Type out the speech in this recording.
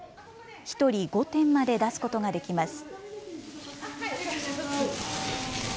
１人５点まで出すことができます。